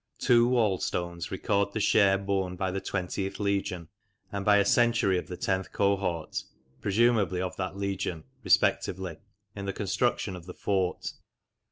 Two wall stones record the share borne by the Twentieth Legion and by a century of the tenth cohort (presumably of that legion), respectively, in the construction of the fort.